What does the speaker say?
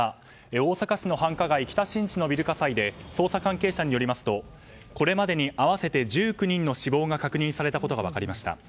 大阪市の繁華街・北新地のビル火災で捜査関係者によりますとこれまでに合わせて１９人の死亡が確認されたことが分かりました。